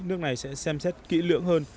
nước này sẽ xem xét kỹ lưỡng hơn